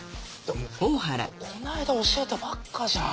もうこの間教えたばっかじゃん。